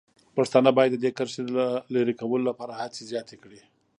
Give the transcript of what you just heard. پښتانه باید د دې کرښې د لرې کولو لپاره هڅې زیاتې کړي.